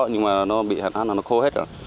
nhưng mà nó bị hẳn hãn là nó khô hết